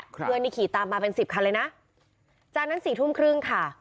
เพื่อนนี่ขี่ตามมาเป็นสิบคันเลยนะจากนั้นสี่ทุ่มครึ่งค่ะ